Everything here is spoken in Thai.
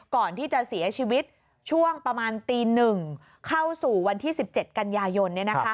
ก่อนที่จะเสียชีวิตช่วงประมาณตี๑เข้าสู่วันที่๑๗กันยายน